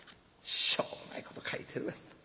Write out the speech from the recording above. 「しょうもないこと書いてるわ。